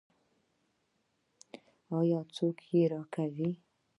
آیا څوک یې راکوي؟